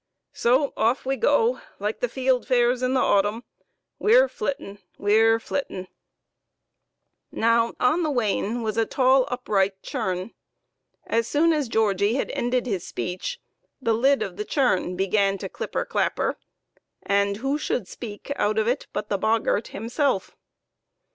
So off we go, like th' field fares in the autumn we're flittin', we're flittin' !" Now on the wain was a tall, upright churn ; as soon as Georgie had ended his speech, the lid of the churn began to clipper clapper, and who should speak out of it but the bog gart himself.